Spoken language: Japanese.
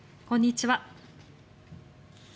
こんにちは。